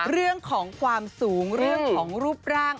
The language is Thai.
เรื่องของความสูงเรื่องของรูปร่าง